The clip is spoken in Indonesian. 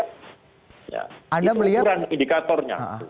ini adalah indikatornya